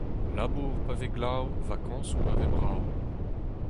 Labour pa vez glav, vakañsoù pa vez brav.